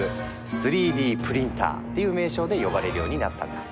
「３Ｄプリンター」という名称で呼ばれるようになったんだ。